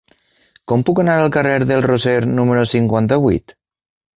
Com puc anar al carrer del Roser número cinquanta-vuit?